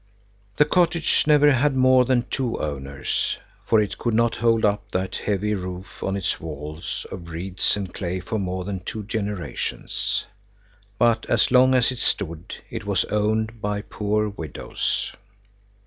The cottage never had more than two owners, for it could not hold up that heavy roof on its walls of reeds and clay for more than two generations. But as long as it stood, it was owned by poor widows.